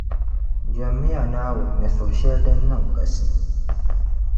Jɛmmi ya Naawuni ni suhu shεli din niŋ kasi.